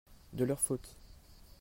de leur faute.